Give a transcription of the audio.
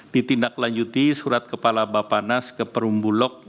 ditindaklanjuti surat kepala bapak nas ke perumbulok